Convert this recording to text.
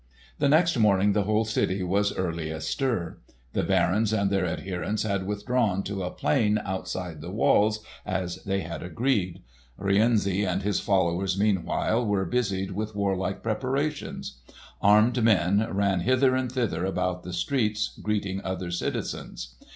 The next morning the whole city was early astir. The barons and their adherents had withdrawn to a plain outside the walls as they had agreed. Rienzi and his followers meanwhile were busied with warlike preparations. Armed men ran hither and thither about the streets greeting other citizens.